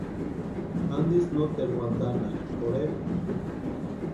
¿Antisï noteru wantanhakʼi pʼorhe?